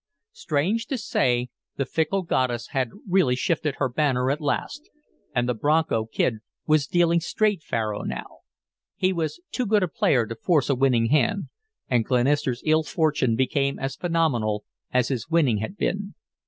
Strange to say, the fickle goddess had really shifted her banner at last, and the Bronco Kid was dealing straight faro now. He was too good a player to force a winning hand, and Glenister's ill fortune became as phenomenal as his winning had been.